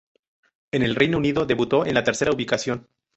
En el Reino Unido debutó en la tercera ubicación.